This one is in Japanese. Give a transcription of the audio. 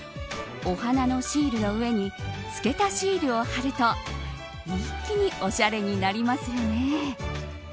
お花のシールの上に透けたシールを貼ると一気におしゃれになりますよね。